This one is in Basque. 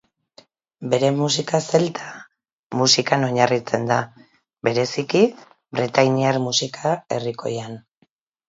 Bere musika zelta musikan oinarritzen da, bereziki bretainiar musika herrikoian.